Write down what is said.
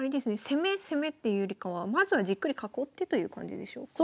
攻め攻めっていうよりかはまずはじっくり囲ってという感じでしょうか？